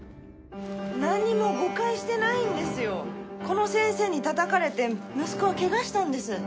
何も誤解してないんですよ、この先生にたたかれて息子はけがしたんです。